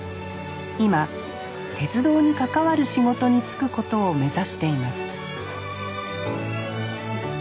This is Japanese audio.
今鉄道に関わる仕事に就くことを目指しています